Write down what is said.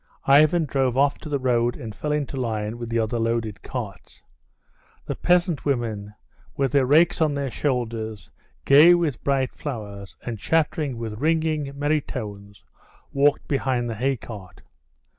Ivan drove off to the road and fell into line with the other loaded carts. The peasant women, with their rakes on their shoulders, gay with bright flowers, and chattering with ringing, merry voices, walked behind the hay cart.